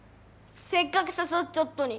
せっかく誘っちょっとに。